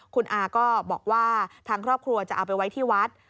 คุณอาก็บอกว่าทางครอบครัวจะเอาไปไว้ที่วัด